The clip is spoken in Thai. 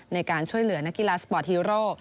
ในการช่วยเหลือนักกีฬาสปอร์ตฮีโร่